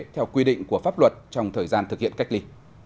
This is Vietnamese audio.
theo quy định của pháp luật trong thời gian thực hiện cách ly